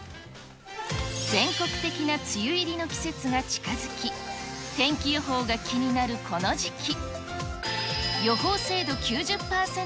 全国的な梅雨入りの季節が近づき、天気予報が気になるこの時期。